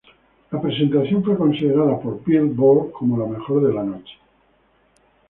La presentación fue considerada por "Billboard" como la mejor de la noche.